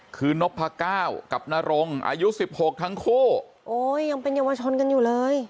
คือนพก้าวกับนรงอายุสิบหกทั้งคู่โอ้ยยังเป็นเยาวชนกันอยู่เลย